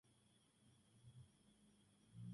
Se encuentran en Nueva Guinea y las Islas Marianas.